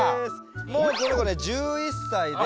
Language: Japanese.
もうこの子ね１１歳で。